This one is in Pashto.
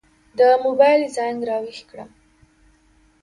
د موبایل زنګ را وېښ کړم.